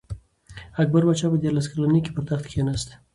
اکبر پاچا په دیارلس کلنۍ کي پر تخت کښېناست.